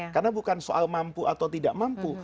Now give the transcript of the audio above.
karena bukan soal mampu atau tidak mampu